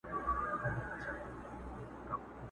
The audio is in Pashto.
زه چي زلمی ومه کلونه مخکي !.